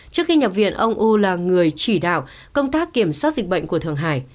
trước khi nhập viện ông u là người chỉ đạo công tác kiểm soát dịch bệnh của thường hải